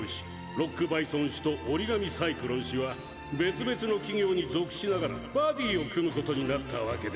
ロックバイソン氏と折紙サイクロン氏は別々の企業に属しながらバディを組むことになったわけです。